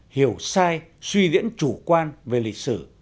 hiểu sai suy diễn chủ quan về lịch sử